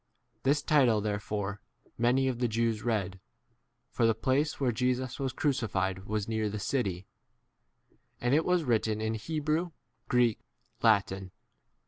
This title therefore many of the Jews read, for the place where Jesus was crucified was near the city; d and it was written in Hebrew, Greek, e Latin.